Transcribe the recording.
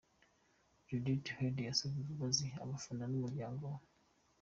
Judith Heard yasabye imbabazi abafana n’umuryango we.